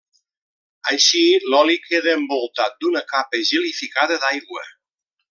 Així, l'oli queda envoltat d'una capa gelificada d'aigua.